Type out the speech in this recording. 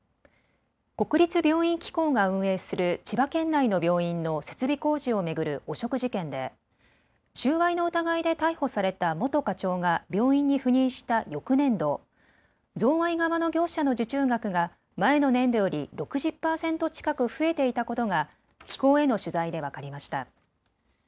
国立病院機構が運営する千葉県内の病院の設備工事を巡る汚職事件で収賄の疑いで逮捕された元課長が病院に赴任した翌年度、贈賄側の業者の受注額が前の年度より６０％近く増えていたことが機構への取材で分かりました。